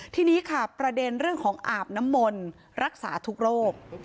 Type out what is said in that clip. ทีนี้ค่ะประเด็นเรื่องของอาบน้ำมนต์รักษาทุกโรค